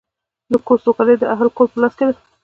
د کور سوکالي د اهلِ کور په لاس کې ده.